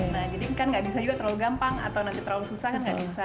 nah jadi kan nggak bisa juga terlalu gampang atau nanti terlalu susah kan nggak bisa